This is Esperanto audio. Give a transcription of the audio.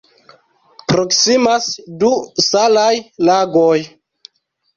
Proksimas du salaj lagoj.